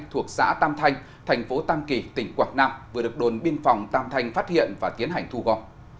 thuộc xã tam thanh thành phố tam kỳ tỉnh quảng nam vừa được đồn biên phòng tam thanh phát hiện và tiến hành thu gò